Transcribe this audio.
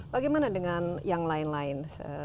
bagaimana dengan yang lain lain